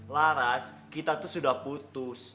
laras kita itu sudah putus